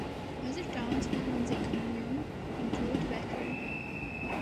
Other towns within the commune include Wecker.